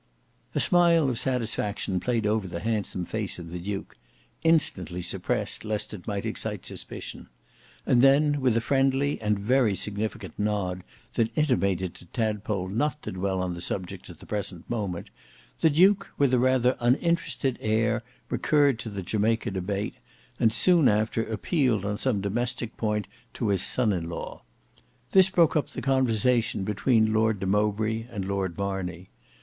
'" A smile of satisfaction played over the handsome face of the duke—instantly suppressed lest it might excite suspicion; and then with a friendly and very significant nod that intimated to Tadpole not to dwell on the subject at the present moment, the duke with a rather uninterested air recurred to the Jamaica debate, and soon after appealed on some domestic point to his son in law. This broke up the conversation between Lord de Mowbray and Lord Marney.